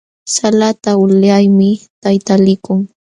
Salata ulyaqmi tayta likun.